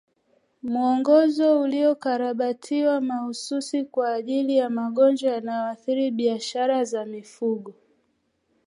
Hmwongozo uliokarabatiwa mahsusi kwa ajili ya magonjwa yanayoathiri biashara za mifugo